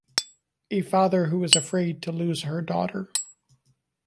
A father who is afraid to lose her daughter.